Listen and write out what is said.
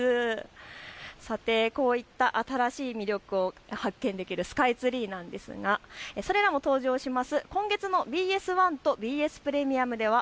こういった新しい魅力を発見できるスカイツリーですがそれらも登場する今月のＢＳ１とＢＳプレミアムでは＃